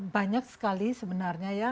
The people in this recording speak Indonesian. banyak sekali sebenarnya ya